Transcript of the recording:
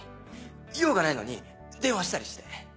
用がないのに電話したりして。